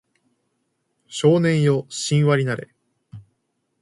少年よ神話になれ